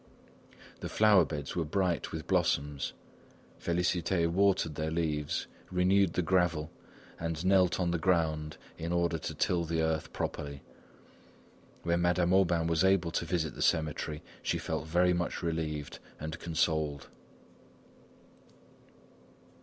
The flower beds were bright with blossoms. Félicité watered their leaves, renewed the gravel, and knelt on the ground in order to till the earth properly. When Madame Aubain was able to visit the cemetery she felt very much relieved and consoled.